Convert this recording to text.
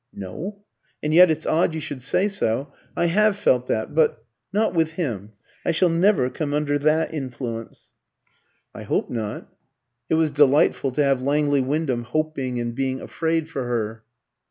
"No. And yet it's odd you should say so. I have felt that, but not with him. I shall never come under that influence." "I hope not." (It was delightful to have Langley Wyndham "hoping" and being "afraid" for her.)